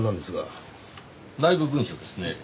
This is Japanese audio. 内部文書ですね。